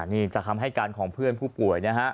นี่จากคำให้การของเพื่อนผู้ป่วยนะฮะ